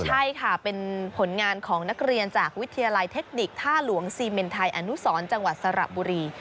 ใช่ค่ะเป็นผลงานของนักเรียนจากวิทยาลัยเทคนิคท่าหลวงซีเมนไทยอนุสรจังหวัดสระบุรี